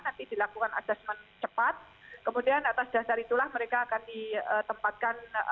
nanti dilakukan assessment cepat kemudian atas dasar itulah mereka akan ditempatkan